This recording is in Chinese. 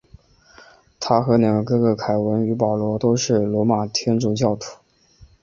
他和两个哥哥凯文与保罗都是罗马天主教徒。